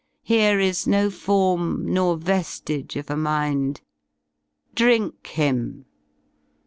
Here is no form, nor veilige of a mind. Drink him!